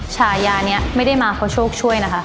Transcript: ฉายานี้ไม่ได้มาเพราะโชคช่วยนะคะ